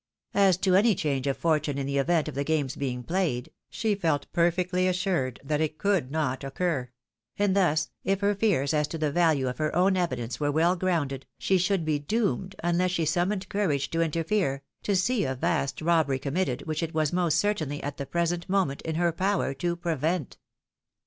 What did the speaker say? As to any change of fortune in the event of the games being played, she felt perfectly assured it could not occur ; and thus, if her fears as to the value of her own evidence were well grounded, she should be doomed, unless she summoned courage to interfere, to see a vast robbery committed, which it was most certainly, at the present moment, in her power to prevent.